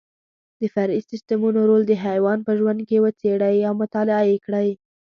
د فرعي سیسټمونو رول د حیوان په ژوند کې وڅېړئ او مطالعه یې کړئ.